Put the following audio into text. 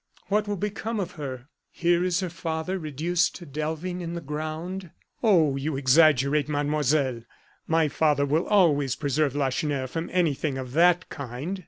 What will become of her? Here is her father, reduced to delving in the ground." "Oh! you exaggerate, Mademoiselle; my father will always preserve Lacheneur from anything of that kind."